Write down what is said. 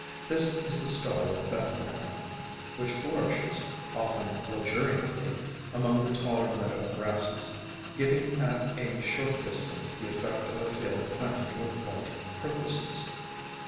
This is the Star of Bethlehem, which flourishes, often luxuriantly, among the taller meadow grasses, giving at a short distance the effect of a field planted with white Crocuses.